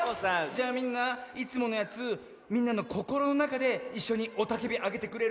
じゃあみんないつものやつみんなのこころのなかでいっしょにおたけびあげてくれる？